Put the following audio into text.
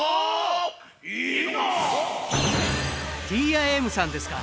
ＴＩＭさんですか。